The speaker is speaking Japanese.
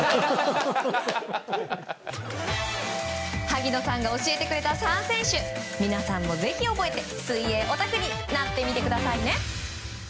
萩野さんが教えてくれた３選手皆さんもぜひ覚えて水泳オタクになってみてくださいね。